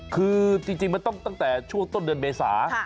คือจริงต้องแต่ช่วงต้นเดือนเมษา